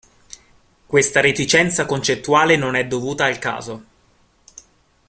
Questa reticenza concettuale non è dovuta al caso.